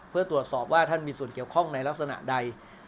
เพื่อตรวจสอบว่าท่านมีส่วนเกี่ยวข้องในลักษณะใด